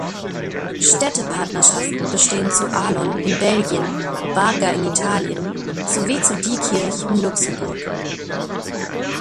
Städtepartnerschaften bestehen zu Arlon in Belgien, Barga in Italien sowie zu Diekirch in Luxemburg.